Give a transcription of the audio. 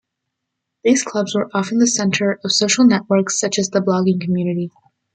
These clubs were often the centre of social networks such as the blogging community.